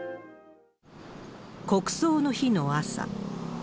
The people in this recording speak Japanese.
国葬の日の朝。